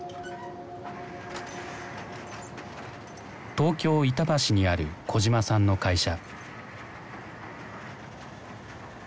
東京・板橋にある小島さんの会社。